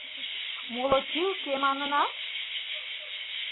«Молотилке» манынат?»